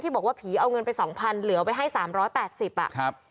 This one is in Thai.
บอกว่าผีเอาเงินไปสองพันเหลือไว้ให้สามร้อยแปดสิบอ่ะครับ